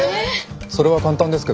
それは簡単ですけど。